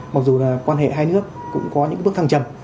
mặc dù là quan hệ hai nước cũng có những bước thăng trầm